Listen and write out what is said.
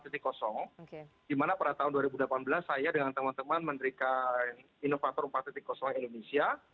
di mana pada tahun dua ribu delapan belas saya dengan teman teman menerikan inovator empat indonesia